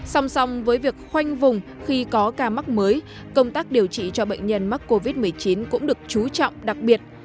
song song với việc khoanh vùng khi có ca mắc mới công tác điều trị cho bệnh nhân mắc covid một mươi chín cũng được trú trọng đặc biệt